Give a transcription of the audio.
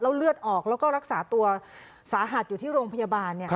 เลือดออกแล้วก็รักษาตัวสาหัสอยู่ที่โรงพยาบาล